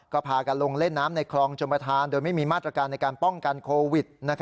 ก็พากันลงเล่นน้ำในคลองชมประธานโดยไม่มีมาตรการในการป้องกันโควิด